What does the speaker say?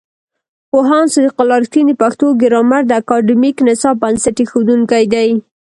پوهاند صدیق الله رښتین د پښتو ګرامر د اکاډمیک نصاب بنسټ ایښودونکی دی.